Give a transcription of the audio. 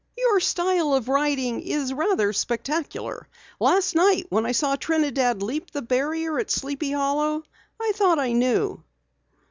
"Your style of riding is rather spectacular. Last night when I saw Trinidad leap the barrier at Sleepy Hollow I thought I knew."